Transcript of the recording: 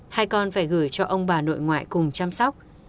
hai con phải gửi cho ông bà nội ngoại cùng chăm sóc